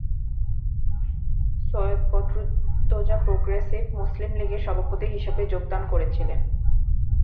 Syed Badruddoza progressive Muslim লীগের সভাপতি হিসাবে যোগদান করেছিলেন।